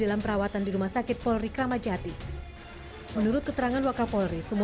negara allergi awal ini telah menyebabkan kegigilan dengan nafikanmu akibat ramai orang desa yang ber movement tersebut